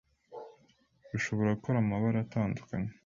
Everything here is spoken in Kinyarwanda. rushobora gukora Amabara atandukanye